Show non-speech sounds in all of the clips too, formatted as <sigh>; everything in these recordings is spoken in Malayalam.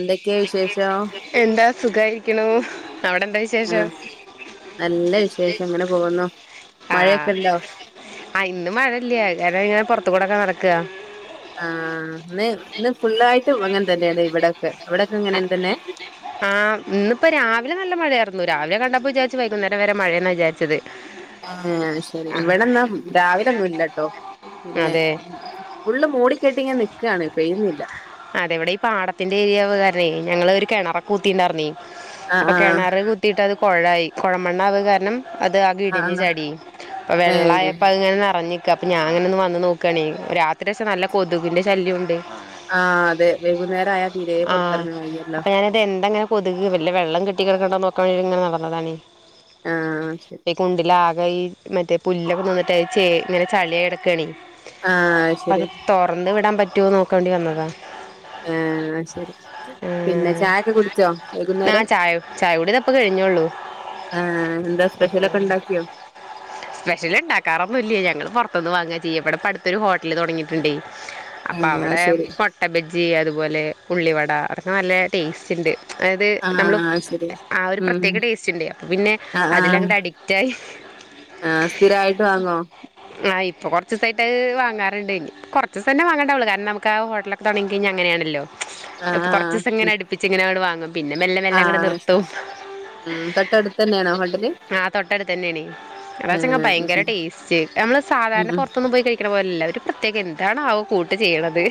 എന്തൊക്കെയാ വിശേഷം എന്താ സുഖായിരിക്കണോ അവിടെ എന്താ ആഹ് വിശേഷം നല്ല വിശേഷം അങ്ങനെ പോകുന്നു ആഹ് മഴയൊക്കെ ഉണ്ടോ ആ ഇന്നും മഴയില്ല കാര ഇങ്ങനെ പുറത്ത് കൂടെക്കെ നടക്കുക ആഹ് ഇ ഇന്ന് ഫുള്ളായിട്ട് അങ്ങനെ തന്നെയാണ് ഇവിടെക്കെ ഇവിടൊക്കെ ഇങ്ങനെ തന്നെ ആഹ് ഇന്നിപ്പോ രാവിലെ മഴയായിരുന്നു രാവിലെ കണ്ടപ്പോ വിചാരിച്ചു വൈകുന്നേരം വരെ മഴയെന്നാ വിചാരിച്ചത് ആഹ ശരി ആ, ഇവിടെന്നാ രാവിലൊന്നുല്ലട്ടോ പിന്നെ അതെ ഫുള്ള് മൂടിക്കെട്ടിങ്ങ നിക്കാണ് പെയ്യുന്നില്ല അതെവിടെ ഈ പാടത്തിന്റെ ഏരിയകാരണ ഞങ്ങള് ഒരു കിണറൊക്കെ കൂത്തിണ്ടായിരുന്നെ ആഹ് അപ്പൊ കിണാർ കുത്തിട്ട് അത് കുഴായി കുഴമണ്ണ ആവുക കാരണം അത് ആ ആഹ് കിടിഞ്ഞഞ് ആഹ് ചടി അപ്പൊ ആഹ് ഏഹ് വെള്ളയപ്പോ അത്ങ്ങനെ നിറഞ്ഞ അപ്പൊ ഞാൻങ്ങന ഒന്നന്ന് വന്ന്ു നോക്കണ രാത്രിശെ നല്ല കൊതുകിന്റെ ശല്യംുണ്ട് ആഹ് അതെ വൈകുന്നേരം ആയാ തീരെ ആ പുറത്തിറങ്ങാൻ വയ്യല്ലോ അപ്പൊ ഞാനിത് എന്തങ്ങനെ കൊതുക് വല്ല വെള്ളം കിട്ടിിടക്കണ്ടോ ങ്ങനെ ആഹ് ശരി നടന്നതാണ്ണ്ടില ത ഈ മറ്റേ പുല്ലൊക്കെ തോന്നിട്ട്ത് ചേ ഇങ്ങനെ ചളിയ കിടക്കണ ആഹ് അപ്പ അത് ശരി തുറന്ന് വിടാൻ പറ്റുവോ നോക്കാേണ്ടി വന്നതാ ആഹ ആഹ ശരി പിന്നെ ചായൊക്കെ കുടിച്ചോ ആ വൈകുന്നേരം ചായ ചായ കുടി ഇതപ്പം കഴിഞ്ഞുള്ളൂ ആഹ എന്താ സ്പെഷ്യലൊക്കെ ഉണ്ടാക്കിയോ സ്പെഷല് ഉണ്ടാക്കാറൊന്നും ഇല്ലേ ഞങ്ങള്ൾ പുറത്തുന്ന് വാങ്ങാ ചെയ്യ ഇടപ്പ പ അടുത്ത ഒരു ഹോട്ടലില് തുടങ്ങിയിട്ടുണ്ടേ അപ്പ ഏ അത് അവിടെ ശരി ഇഞ്ചി അതുപോലെ ഉള്ളിവട അതൊക്കെ നല്ല ടേസ്റ്റ് ഉണ്ട് അതായത് ആ നമ്മൾ അത് ശരി ആ ഒരു ഉം പ്രത്യേക ടേസ്റ്റ് ഉണ്ട് അപ്പോം പിന്നെ അതിൽങ്ങട്ട് അഡിക്റ്റായി ആഹ സ്ഥിരായിട്ട് വാങ്ങോ ഇറ ദസമായിട്ട്ത് വാറുണ്ട് കുറച്ച് ദസ തന്ന വങ്ങണ്ടാവുള്ളൂ കാരണംമുക്ക് ആ ഹോട്ടലക്കെ തുടങ്ങിഴിഞ്ഞ അങ്ങനാണല്ലോ ആ ഇപ്പൊ ആ കുറച്ച ദിവസം ഇങ്ങനെ ഉം. അടുപ്പിച്ചച്ച് ഇങ്ങനെ അവിടെ വാങ്ങും പിന്നെ മെല്ലെ ആ മെല്ലാം അങ്ങടെ ശരി നർത്തവും ഉം തട്ടാടുത്തന്നെയണോ ഹോട്ടലി ആ തൊട്ട അടുത്ത് തന്നെയണ അാ വെങ്ാ അത് ഭയങ്കര ശരി ടേസ്റ്റ് നമ്മൾ ഉം സാധാരണ ഉം പുറത്തൊന്നും പോയി കഴിക്കണ പോലല്ല ഒരു ഒരു പ്രത്യേക എന്താണ് ആ് കൂട്ട് ചെയ്യണത്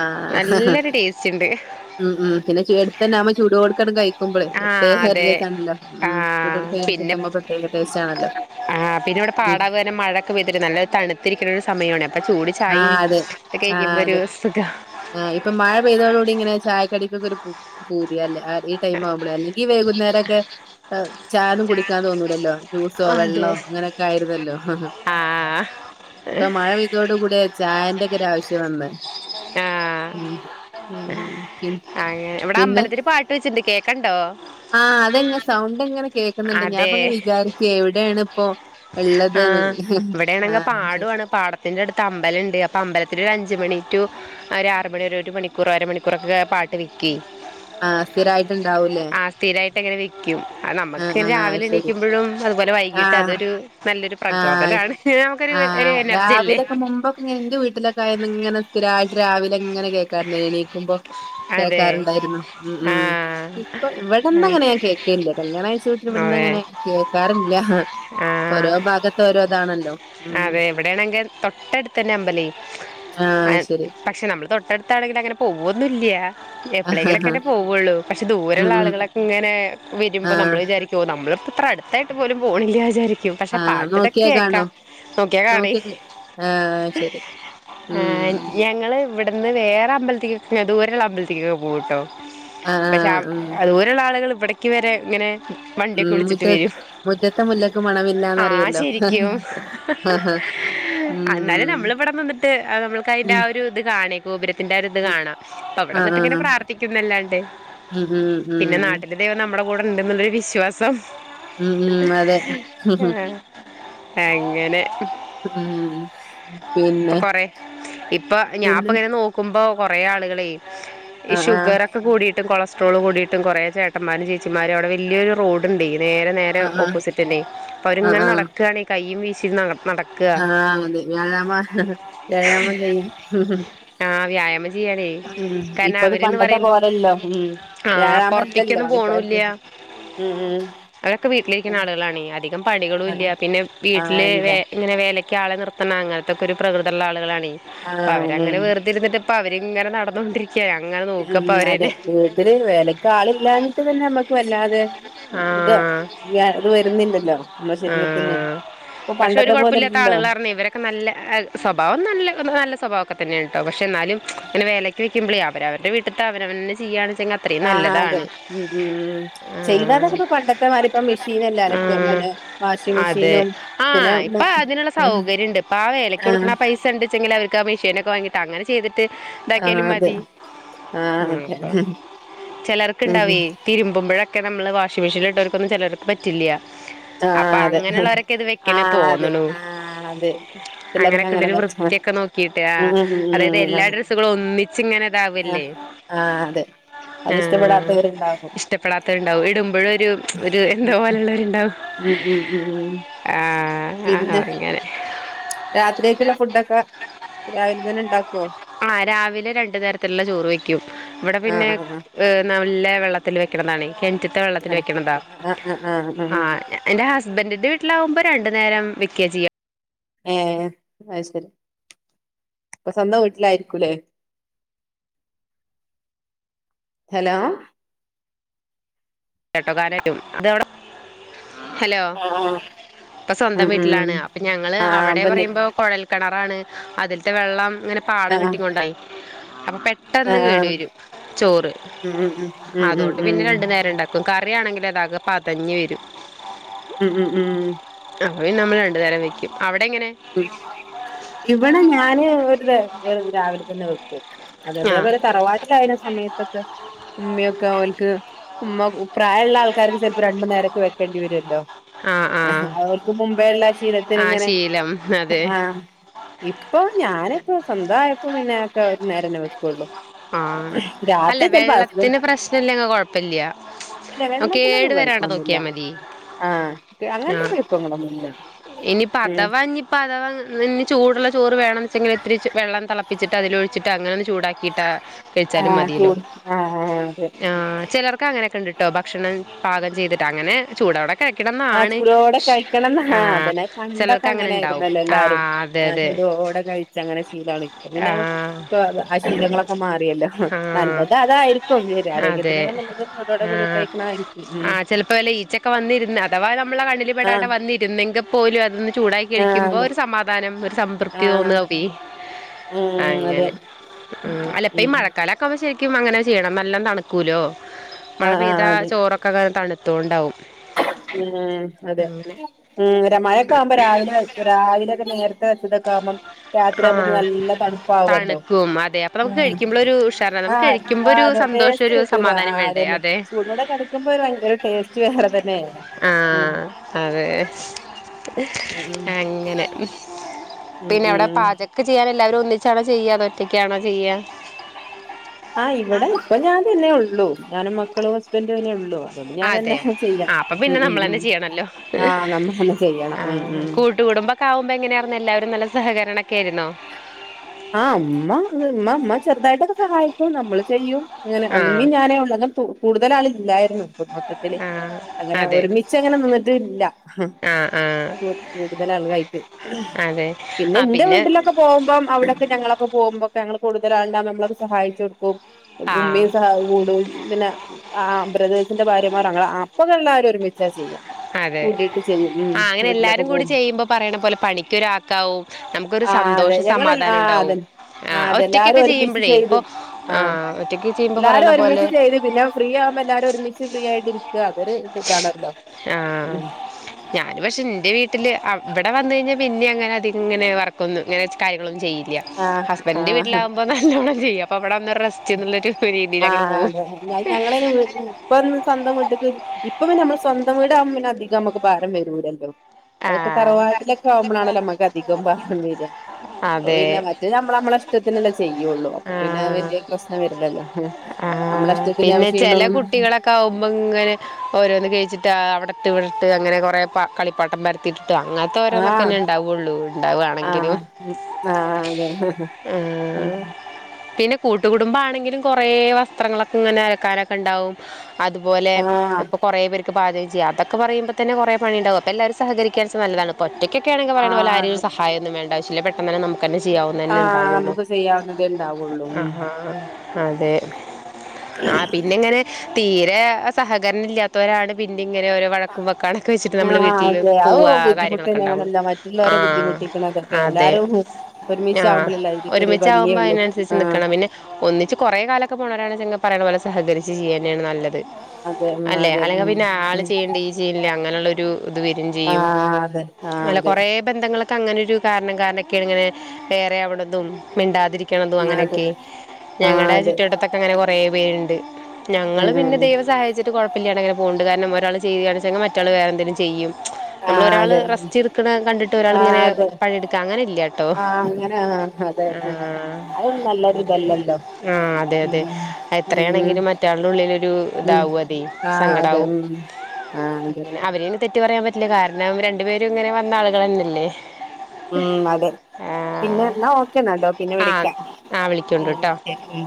ആ നല്ലൊരു ടേസ്റ്റ് ഉണ്ട് ഉം ഉം പിന്നെ ചെടു തന്നെ ആുമ്പ ചൂട് കൊടുക്കണം കഴിക്കുമ്പോളേ ആ ഒട്ട ഹ അതെ രസാണ്ടല്ലോ ആ ഉം ചൂടു കൊടുക്ക കിട്ടുമ്പോ പ്രത്യേക ടേസ്റ്റ് ആണല്ലോ ആഹ് പിന്നെ ഇവിടെ ഉം പാകാരം മഴൊക്കെ പെയ്തിട്ടും നല്ല തണുത്തിരിക്ക ഒരു ആ ചൂട് ആ ചായയും കഴിക്കുമ്പോ ഒരു സുഖം ആ് ഇപ്പ മഴ പെയ്തോ കൂടി ഇങ്ങനെ ചായക്കടിക്കൊക്കെ ഒരു പൂതിയല്ല ടൈം ആവുമ്പോഴേ അല്ലെങ്കിൽ വേുന്ന നേരക്കെ ചായൊന്നും കുടിക്കാന്ന് തോന്നൂലല്ലോ ജ്യൂസോ വെള്ളമോ അങ്ങനെയൊക്കെ ആയിരുന്നല്ലോ ആഏ ഇപ്പൊ മഴ പെയ്തോടു കൂടടെ ചായന്റെ ഒക്കെ ഒരു ആവശ്യം വന്നത് ആഏ ഉം പി ആ ഇവിടെ അമ്പലത്തിൽ പാട്ട് വെച്ചിണ്ട് കേക്കണ്ടോ ആഹ അതെങ്ങെ സൗണ്ട് എങ്ങനെ കേൾക്കുന്നുണ്ട് ഞാൻപ്പ അതെ അങ്ങ് വിചാരിക്കുവ എവിടെയാണ് ഇപ്പോൊ ഉള്ളത് ആ് ഇവിടെയാണെങ്കിൽ ആഹ് ശരി പാടമാണ് പാടത്തിന്റെ അടുത്ത് അമ്പലുണ്ട് അപ്പൊ അമ്പലത്തി അഞ്ച് അഞ്ച് മണി ടു ഒ ഒരു ആറ് മണി ഒരു മണിക്കൂർ അരമണിക്കൂറൊക്കെ പാട്ട് വെക്കുവെ ആഹ് സ്ഥിരായിട്ടുണ്ടാവൂലേ - ആ സ്ഥിരായിട്ട് അങ്ങനെ വെക്കും ആഹ് നമുക്ക് ആഹ് രാവിലെ ശരി എണീക്കുമ്പോഴും അതുപോലെ വൈകീട്ട് ആഹ് അതൊരു നല്ലൊരു- ആഹ് പ്രചോദനാണ് നമുക്കൊരു ഒരു ആഹ് എനർജി അല്ലേ രാവിലൊക്കെ മുമ്പക്കെ ഇങ്ങനെ എന്റെ വീട്ടിലൊക്കെ ആയത് ഇങ്ങനെ- ഒതിരാ <unintelligible> ഴ്ച രാവിലെ എങ്ങനെ കേൾക്കാറുന്ന എ നീക്കുമ്പോ അതെ കേൾക്കാറുണ്ടായിരുന്നു ഉം ഉം ആഹ് ഇപ്പൊ ഇവിടന്ന് അങ്ങനെ ഞാൻ കേൾക്കില്ലേ കല്യാണകഴിച്ച വീട്ടിൽ ഇവിടന്ന്- അതെ അങ്ങനെ കേൾക്കാറില്ല ഓരോ ആഹ് - അതെ എവിടെയാണെങ്കിൽ തൊട്ടടുത്ത തന്നെ അമ്പലവെ ആഹ് ശരി - പക്ഷെ നമ്മള് തൊട്ടടുത്താണെങ്കിൽ അങ്ങനെ പോവൊന്നും ഇല്ല്യ ആഹ് ആഹ് എപ്പോഴെങ്കിലൊക്കെന്നെ പോവുള്ളൂ പക്ഷെ ഉം ദൂരെയുള്ള ഉം ആളുകളൊക്കെ ഇങ്ങനെ വരുമ്പോ ആഹ് നമ്മള് വിചാരിക്കോ നമ്മള്- ഇത്ര അടുത്തായിട്ട് പോലും പോണില്ലേ വിചാരിക്കും പക്ഷെ ആഹ് പാട്ട് ഇതൊക്കെ നോക്കിയാ കാണോ കേക്കാം നോക്കിയാ കാണേ നോക്കി ആഹ് ശരി ഉം ഞങ്ങള് ഇവിടുന്ന് വേറെ അമ്പലത്തേക്ക് ദൂരെയള്ള അമ്പലത്തേക്കൊക്കെ പോകും കേട്ടോ ആഹ് പക്ഷെ ആഹ് ഉം ദുരെയുള്ള ആളുകൾ ഇവിടക്ക് വരെ ഇങ്ങനെ- വണ്ടിയൊക്കെ വിളിച്ചിട്ട് വരും <unintelligible> മുറ്റത്തെ മുല്ലക്ക് ആ മണമില്ലാന്ന്റിയല്ലോ ആഹ് ആഹ് ഉം അന്നാലും നമ്മള് വിടെ നിന്നിട്ട് നമ്മള് ക അയ്ന്റെ ഉം ആ ഒരു ഇത് കാണേ ഗോപുരത്തിന്റെറെ ആ ഒരു ഇത് കാണാ പ്പ ആഹ് അവിടെന്നിട്ട് ഇങ്ങനെ ആഹ് പ്രാർത്ഥിക്കുന്നല്ലാണ്ട്. ഉം ഉം മ്മടെ കൂടെ ണ്ട്ന്നുള്ളൊരു വിശ്വാസം ഉം ഉം അതെ ആഹ് എങ്ങനെ ഉം പിന്നെ ഇപ്പ പിന്നെ ഞാപ്പങ്ങനെ നോക്കുമ്പോ കൊറേ ആളുകളെ ഈ ആഹ് ഷുഗറൊക്കെ കൂടിയിട്ട് കൊളസ് ട്രോൾ കൂടിയിട്ടും കൊറേ ചേട്ടന്മാരും ചേച്ചിമാരും അവടെ വല്ല്യോരു റോഡുണ്ടേ നേരെ നേരെ ആഹ് ആഹ് ആഹ് ഓപ്പോസിറ്റ് തന്നെ അപ്പ ആഹ് അവരിങ്ങനെ ആഹ് നടക്കാണെ കൈയും വീശി നന നട നടക്കുക ആഹ് അതെ വ്യാഴാമ വ്യാഴാമം ചെയ്യാം. ആഹ് വ്യായാമം ചെയ്യാണേ ഉം കാരണം ഇപ്പൊത് അവര്ന്ന് പണ്ടത്തെ പറയുമ്പം പോലല്ലോ ഉം ആഹ് വ്യായഴാമം ഇല്ലല്ലോ പൊറത്തേക്കൊന്നും ആൾക്കാർക്ക്. പോണൂല്ല ഉം ഉം രം പണികളു ഇല്ല ആഹ് പിന്നെ ആഹ് വീട്ടില് ഇല്ല വെ ഇങ്ങനെ വേലയ്ക്ക് ആളെ നിർത്ണ അങ്ങൻത്തെക്കെ ഒരു പ്രകൃതി ഉള്ള ആളുകളാണ്. ണെ പ്പ ആഹ് അവരങ്ങനെ ഉം വെറുതിരുന്നി്ട്ട് ഇപ്പ അവരിങ്ങനെ നടന്നൊണ്ടിരി ഉം അതെ വീട്ടില് വേലക്കാള്ല്ലാഞ്ഞിട്ട് തന്നെ നമ്മക്ക് വല്ലാതെ ബ്ത ആഹ് വ്യാ ത് വരുന്നണ്ടല്ലോ മ്മടെ ശരീരത്തിന്ന്. ആഹ് പക്ഷെ ഒരു കുഴപല്ലാത്ത ആളുകളറിഞ് ഇവരൊക്കെ നല്ല ഏഹ് സ്വഭാവം ന്ന നല്ല <unintelligible> നല്ല സ്വാവംക്കെ തന്നെണ് ട്ടോ പക്ഷെ ന്നാലും ങ്ങനെ വേലയ്ക്ക് ക്യുമ്പളേ അവര അവര്ടെ വീട്ട്ത്തെ അവനവന്നെ ചെയ്യാണ് ആഹ് അതെ ഉം ഉം ഉം ചെയ്താ ആഹ് തന്നെപ്പ പണ്ടത്തെമാതിരിപ്പ മെഷീൻ എല്ലെ അലക്ക ഉം പിൻ ആഹ് അതെ ആഹ് മോ ഇപ്പൊ അതിനുള്ള സൗകര്യംണ്ട് ഇപ്പൊ ആ വേലക്ക് ആഹ് കൊടുക്ണ ആഹ് പൈസണ്ട് ച്ചെങ്കില് അവർക്ക് അ മെഷീനക്കെ വാിങ്ങിട്ട് അങ്ങനെ ചെയ്തിട്ട് ആഹ് ഇതാക്ക്യാലും അതെ മതി ആഹ് ഉം അതെ ഇപ്പ ചെലർക്ക് ഉം ഇണ്ടാവേയ് തിരുമ്പുമ്പോഴൊക്കെ നമ്മള് വാഷിംഗ് മെഷീനിൽ ഇട്ടവർക്കൊന്നും ചെലർക്ക് പറ്റില്ല അപ്പ ആഹ് അതെ അങ്ങന ഇള്ളവരൊക്കെ ഇത് വെക്ക്ണ് ആഹ് അതെ തോന്ന്ണു ആഹ് അതെ അങ്ങനെ പിള്ളേർക്ക് <unintelligible> ഒരു പറ്റ വൃത്തിയൊക്കെ നോക്കീട്ടെ. ആഹ് ഉം ഉം ഉം അതായത് ഉം. എല്ലാ അതെ ഡ്രസ്സുകളും ഒന്നിച്ച് ഇങ്ങനെ ഇതാവല്ലേ ആഹ് ആഹ് അതെ അത് ആഹ് ഇഷ്ടപ്പെടാത്തവരുണ്ടാകും ഇഷ്ടപ്പെടാത്തവര് ഇണ്ടാവും ഇടുമ്പഴു ഒരു ഒര് എന്ത ഉം പോലെയുള്ളവര് ഇണ്ടാവും ഉം ഉം ഉം ഉം ആഹ് ആഹ് അങ്ങനെ രാത്രി ഉണ്ടാക്കുവോ ആഹ് രാവിലെ രണ്ട് നേരത്തില്ള്ള ചോറ് വെക്കും ഇവടെ പിന്നെ ആഹ് ആഹ് ്നല്ല വെള്ളത്തിൽ വെക്ക്ണ താണെ കെൻറ്റ്ത്തെറ്റ വെള്ളത്തി ആഹ് പെത്ത ആഹ് ആഹ് ആഹ് ആഹ് ആഹ് തണ്വ <unintelligible> രണ്ടു നേരം വക്ക്യാ ചെയ്യ ഏഹ് -അത് ശരി അപ്പൊ സ്വന്തം വീട്ടിലായിരിക്കൂല്ലേ ഹലോ ചേട്ടോക്കാരടും ഇതവ് ടെയിും ഇതെവിടെ ഹലോ ആഹ് ആഹ് ഇപ്പൊ സ്വന്തം ഉം ഉം വീട്ടിലാണ് അപ്പൊ ഞങ്ങള് ആഹ് അവിടെ അപ്പന്ന് പറയുമ്പോ കൊഴൽ കിണറാണ് അതില്ത്തെ വെള്ളം ഇങ്ങനെ പാട ആഹ് കെട്ടിങ്ങോണ്ടായിരിക്കും അപ്പൊ പെട്ടെന്ന് കേടു ആഹ് വരും ചോറ് ഉം ഉം ഉം ഉം അതോണ്ട് ഉം ഉം പിന്നെ രണ്ട് നേരം ഇണ്ടാക്കും കറിയാണെങ്കിൽ അതാകെ പതഞ്. വരും ഉം ഉം ഉം അവ നമ്മൾ രണ്ടു തരം വെക്കും അവിടെ എങ്ങനെ ഉം ഇവടെ ഞാന് ഒരു രാവിലെ തന്നെ വെക്കും അത ആ അതേപോലെ തറവാട്ടിലായുന്ന സമയത്തൊക്കെ ഉമ്മയൊക്കെ ഓല്ക്ക് ഉമ്മ പ്രായ ഇള്ള ആൾക്കാർക്ക് ചെല്പ്പോ രണ്ടു നേരക്കെ വെക്കേണ്ടി വരോല്ലോ ആ ആ അവർക്ക് മുമ്പേ ള്ള ഷീലത്തിന് ആ ഇങ്ങനെ ശീലം അതെ ആഹ് ഇപ്പൊ ഞാനിപ്പോ സ്വന്തായപ്പോ പിന്നെ ഒക്കെ ഒരു നേരന്നെ വെക്കുള്ളു. ആഹ് അല്ല ഹസ്ബൻഡ് വെള്ളത്തിന് പ്രശ്നല്ലെങ് കൊഴപ്പല്യ. അല്ല ന്നൊ വെള്ളത്തിനൊന്നും കേടു വരാണ്ട കൊഴപ്പൊന്നുല്ല നോക്കിയാ മതി. ആഹ് അങ്ങനത്തെ ആഹ് കുഴപ്പങ്ങളൊന്നുല്ല ഇനിപ്പ ഉം അതവ ഞ്ഞിപ്പ അതവാങ്ങ ന്ന് ഞ്ഞി ചൂടുള്ള ചോറ് വേണംച്ചെങ്കില് ത്തിരിച് വെള്ളം തിളപ്പിച്ചിട്ട് അതിലൊഴിച്ചിട്ട് അങ്ങനൊന്ന് ചൂടാക്കിയിട്ടാ കഴിച്ചാലും ആഹ് മതിയല്ലോ ചൂട് ആഹ് ആഹ് അതെ ആഹ് അഹ് ചെലോർക്ക് അങ്ങനൊക്കെണ്ടിട്ടോ ഭക്ഷണം പാകം ചെയ്തിട്ട് അങ്ങനെ ചൂടോടെ ആഹ് കഴിക്കണംന്നാണ് ചൂടോടെ കഴിക്കണംന്ന് ആഹ് അതന്നെ പണ്ടൊക്കെ ചിലർക്ക് അങ്ങനെണ്ടാവു ആഹ് അതെ അതെ തോടെന്നെ കഴിച്ച അങ്ങനെ ശീലാണ്. അപ്പം ആ പിന്നെ തൊ ത് അ ശീലങ്ങളൊക്കെ മാ അതിയല്ലോ ഹ് ആ നല്ലത് അതായിരിക്കും. യേര് അതെ ആരോഗ്യത്തിനെക്കെ നല്ലത് ചുടോടെ കുടി കഴിക്ണായിരിക്കും. ഉം ചെൽപ്പോ വല്ല ഈച്ചൊക്കെ വന്നിരുന്ന് അഥവാ നമ്മള കണ്ണില് പെടാണ്ട ആഹ് വന്നിരുന്നെങ്കി പോലു അത്ന്ന് അത് ന്ന് ചൂടായി ആഹ് കഴിക്കുമ്പോ അതെ ഒരു സമാധാനം ഒരു സംതൃപ്തി ആഹ് തോന്നാവേ ഉം അതെ അങ്ങനെ ഉം അല പ്പ ഈ ഉം മഴക്കാലം ആക്കുമ്പോ ശരിക്കും അങ്ങനെ ചെയ്യണം നല്ലം തണക്കൂലോ. മഴ ആഹ് ആഹ് പെയ്താ അതെ ചോറൊക്കെങ്ങനെ തണുത്തൊണ്ടാവും ഉം അതെ ഈഹ് മറ്റേ മഴൊക്കെ ആവുമ്പോ രാവിലെ രാവിലെക്കെനേർ തക്ക ആവുമ്പം രാത്രി ആകുമ്പ ആ നല്ല തണുപ്പാവുല്ലോ തണുക്കും അതെ അപ്പൊ നമുക്ക് കഴിക്കുമ്പോ ഒരു ഉഷാറാണ് നമുക്ക് ആഹ് കഴിക്കുമ്പോ ആ ഒരു അതെ സന്തോഷം ടേസ്റ്റ് ഒരു കിട്ടൂല ആ സമാധാനം വേണ്ടേ അതന്നെ അതെ സ്കൂലൂടെ കടക്കുമ്പോ ഭയങ്കര ടേസ്റ്റ് വേറെ തന്നെ ആ അതെ ഉം ഉം അങ്ങനെ ഉം പിന്നെ അവിടെ ഉം പാചക് ചെയ്യാൻ എല്ലാവരും ഒന്നിച്ചാണോ ചെയ്യാ അതോ ഒറ്റക്കാണോ ചെയ്യാ ആ ഇവിടെ ഇപ്പൊ ഞാൻ തന്നെ ഉള്ളൂ ഞാനും മക്കളും ഹസ്ബൻറും തന്നെ ഉള്ളു ഞാൻ തന്നെ അതെ ചെയ്യാം ആഹ് അപ്പൊ ഉ പിന്നെ ഉ ഉം നമ്മളന്നെ ചെയ്യണല്ലോ ആഹ നമ്മൾ തന്നെ ചെയ്യണം ഉ ഉം കുടുംബം ഒക്ക ആകുമ്പോ എങ്ങനെയായിരുന്നു എല്ലാവും നല്ല സഹകരണം ഒക്കെ ആയിരുന്നോ ആഹ് അമ്മ ഉമ്മ ഉമ്മ ചെറുതായിട്ടൊക്കെ സഹായിക്കും നമ്മള് ചെയ്യും അങ്ങനെ അന്നു മീ ആഹ് ഞാനേ ഉള്ളു കൂടുതൽ ആൾ ഇല്ലായിരുന്നു മൊത്തത്തില് ആഹ് അങ്ങനെ അതെ ഒരുമിച്ച് അങ്ങനെ നിന്നിട്ടില്ല ആഹ് ആഹ് കൂടുതൽ ആളുവായിട്ട് അതെ പിന്നെ ആഹ് എന്റെ വീട്ടിലൊക്കെ പോകുമ്പം അവിടെ അപ്പൊ പോവുമ്പോക്കെ ഞങ്ങൾ കുടുതൽ ആൾ <unintelligible> നമ്മൾ അത് സഹായിച്ച് കൊടുക്കും ആഹ് ഉമ്മിയും സഹ കൂടും പിന്നെ ആ ബ്രദേഴ്സിന്റെ ഭാര്യമാർ അങ്ങനെ അപ്പം <unintelligible> ഒരുമിച്ച ചെയ്യാം അതെ ആ അങ്ങനെ വീട്ടിലൊക്കെ എല്ലാരും കൂടി പോകും ചെയ്യുമ്പോ പറയണ പോലെ പണിക്കൊരാക്കാവും നമുക്കൊരു സന്തോഷം സമാധാനം ഉണ്ടാവും ആതൻ ആ അതെ എല്ലാരും ഒറ്റക്കൊക്കെ ഒരുമിച്ച് ചെയ്യുമ്പോഴേ ഇപ്പൊ ചെയ്ത് ആ ആഹ് ഒറ്റക്ക് ചെയ്യുമ്പോ എല്ലാരും പറയണ പോലെ ഒരുമിച്ച് ചെയ്ത് പിന്നെ ഫ്രീ എല്ലാരും ഒരുമിച്ച് ഫ്രീ ആയിട്ട് ഇരിക്കുവ അവർ ഇതാണല്ലോ ആഹ ഉം ഞാന് പക്ഷെ എന്റെ വീട്ടില് അവിടെ വന്ന് കഴിഞ്ഞാ പിന്നെ അങ്ങനെ അധികം ഇങ്ങനെ വർക്കൊന്നും ഇങ്ങനെ കാര്യങ്ങളൊന്നും ചെയ്യില്ല ആഹ് ഹുസ്ബൻഡിന്റെ വീട്ടിലാകുമ്പോ നല്ലോണം ചെയ്യും അപ്പൊ അവിടെ ഒന്ന് റെസ്റ്റ് എന്നുള്ളൊരു രീതിയിൽ അങ്ങോട്ട് ആഹ പോകും അതെ ഞ ഞങ്ങളെ ഇപ്പൊന്ന് സ്വന്തം വീട്ടിക്ക് ഇപ്പം നമ്മൾ സ്വന്തം വീടാകുമ്പോ അധികം നമുക്ക് ഭാരം വരൂല്ലല്ലോ ആ അതൊക്കെ തറവാട്ടിലൊക്കെ ആവുമ്പോളാണല്ലോ നമുക്ക് അധികം ബാരം വരിക അപ്പൊ അതെ പിന്നെ മറ്റേ നമ്മൾ നമ്മളെ ഇഷ്ടത്തിനല്ലേ ചെയ്യുള്ളു അപ്പൊ പിന്നെ വലിയ പ്രശ്നം വരൂല്ലല്ലോ ആഹ പിന്നെ ചെല കുട്ടികളൊക്കെ ആകുമ്പോ ഇങ്ങനെ ഓരോന്ന് കഴിച്ചിട്ട് അവിടെ ഇട്ടുവിടുത്ത് അങ്ങനെ കൊറേ കളിപ്പാട്ടം വരുത്തി അങ്ങനത്തെ ഓരോന്നൊക്കെ ആഹ് ഉണ്ടാവുള്ളു ഉണ്ടാവുവാണെങ്കിലും ആഹ് ഉം ആഹ് അതെ ഉം പിന്നെ കൂട്ടുകുടുംബാണെ എങ്കിലും കുറേ വത്രങ്ങളൊക്കെ ഇങ്ങനെ അക്കാനൊക്കെ ഉണ്ടാവും അതുപോലെ ആഹ് ഇപ്പ കുറേ പേ പാചകം ചെയ്യ അതൊക്കെ പറയുമ്പം തന്നെ കുറേ പണിയുണ്ടാവും അപ്പോ എല്ലാവും സഹകരിക്കാൻ നല്ലാണ് ഇപ്പോ ഒറ്റയ്ക്ക് ഇക്ക ആണെങ്കിൽ പറയണപോലെ ആഹ് ആര് അതെ സഹായ ഒന്നും വേണ്ട ആവിശ്യമില്ല പെട്ട തന്നെ നമ തന്നെ ചെയ്യാവുന്ന തന്നെ ആഹ് ഉണ്ടാവുള്ളു നമുക്ക് ചെയ്യാവുന്നതേ ഉണ്ടാവുള്ളൂ അ ഉം ആഹ അതെ ആ പിന്നിങ്ങനെ തീരെ സഹകരണം ഇല്ലാത്തവരാണ് ഇങ്ങനെ ഓരോ വഴക്കും വെക്കാനൊക്കെ വെച്ചിട്ട് നമ്മൾ ആഹ് വീട്ടില് അതെ അത് പോവ ബുദ്ധിമുട്ട് കാര്യങ്ങളൊക്കെ ഉണ്ടാവു തന്നെയാണല്ലോ ആ മറ്റുള്ളവരെ ബുദ്ധിമുട്ടിക്കണതൊക്കെ അതെ എല്ലാരും ആ ഒരുമിച്ചാവുമ്പോളല്ലേ ഇതിക്കൊരു ഒരുമിച്ച് ആകുമ്പോ ഭംഗിയുള്ളൂ അതിനനുസരിച്ച് ആഹ് നിക്കണം പിന്നെ ഒന്നി ഇത് കുറേ കാലൊക്കെ പോണവരാണെങ്കിൽ പറയെണപോലെ പോലെ സഹകരിച്ച് ചെയ്യ തന്നെയാണ് നല്ലത് അതെ ഉം അല്ലേ അതെ അല്ലെങ്കി ഉം പിന്നെ ആൾ ഉം ചെയ്യ <unintelligible> അങ്ങനുള്ള അത് വരും ചെയ്യും ആഹ് അതെ അല്ല ആഹ് കുറേ ബന്ധങ്ങൾ തങ്ങനൊരു കാരണം കാരണൊക്കെയ ഇങ്ങനെ വേറെ അവിടെന്നും മിണ്ടാ ഇരിക്കുന്നതും അതെ അങ്ങനെയൊക്കെ ആഹ് ഞങ്ങളടെ അതെ ആഹ് അതെ ചുറ്റുവട്ടത്തൊക്കെ അങ്ങനെ കൊറെ പേരുണ്ട് ഞങ്ങൾ ഉം പിന്നെ ദൈവം ഉം ഉം ആഹ് സഹായിച്ചിട്ട് കുഴപ്പമില്ലാതെ അങ്ങനെ പോണ്ട് കാരണം ഒരാൾ ചെയ്ത് കാണിച്ചെങ്കിൽ മറ്റേ ആൾ വേറെന്തെലും ചെയ്യും നമ്മൾ ഒരാള് അതെ റെസ്റ്റ് ഇർക്കണ കണ്ടിട്ട് ഒരാളിങ്ങനെ ആഹ് അതെ പണിയെടുക്കാ അങ്ങനെ ഇല്ല കേട്ടോ ആഹ അതെ ആഹ അത് നല്ലൊരു ഇത ആഹ് അതെ അതെ ഉം ഉം എത്രയാണെങ്കിലും മറ്റാളുടെ ഉള്ളിലൊരു ഉം ആ അതെ ഉം ആഹ് അതെ അവരെയും തെറ്റ് പറയാൻ പറ്റില്ല കാരണം അവർ രണ്ടു പേരും ഇങ്ങനെ വന്ന ആളുകൾ തന്നല്ലേ ഉം അതെ പിന്നെ ന്നാ ഓക്കെ ന്നാലോ പിന്നെ വിളിക്ക ആഹ് ആഹ് വിളിക്കോണ്ട് ഉം ട്ടോ ശരി ഉം